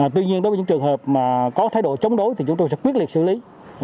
tuy nhiên đối với những trường hợp mà có thái độ chống đối thì chúng tôi sẽ quyết liệt xử lý